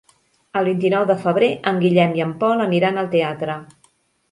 El vint-i-nou de febrer en Guillem i en Pol aniran al teatre.